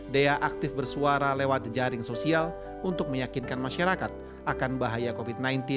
dea aktif bersuara lewat jaring sosial untuk meyakinkan masyarakat akan bahaya covid sembilan belas